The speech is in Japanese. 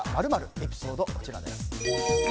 エピソード、こちらです。